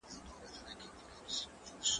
دا چپنه له هغه پاکه ده؟!